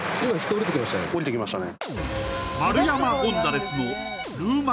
下りていきましたね